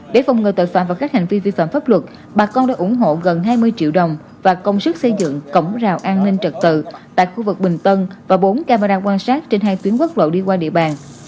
để phòng ngừa tội phạm và các hành vi vi phạm pháp luật bà con đã ủng hộ gần hai mươi triệu đồng và công sức xây dựng cổng rào an ninh trật tự tại khu vực bình tân và bốn camera quan sát trên hai tuyến quốc lộ đi qua địa bàn